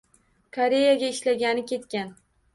Koreyaga ishlagani ketgan